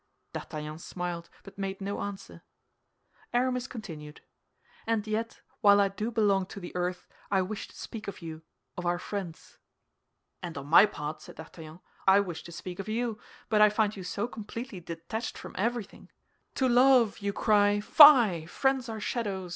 D'Artagnan smiled, but made no answer. Aramis continued, "And yet, while I do belong to the earth, I wish to speak of you—of our friends." "And on my part," said D'Artagnan, "I wished to speak of you, but I find you so completely detached from everything! To love you cry, 'Fie! Friends are shadows!